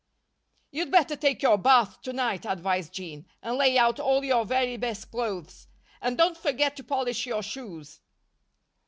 "You'd better take your bath to night," advised Jean, "and lay out all your very best clothes. And don't forget to polish your shoes."